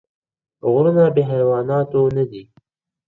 غرونه بې حیواناتو نه دي.